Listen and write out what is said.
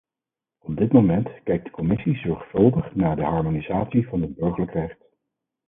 Op dit moment kijkt de commissie zorgvuldig naar de harmonisatie van het burgerlijk recht.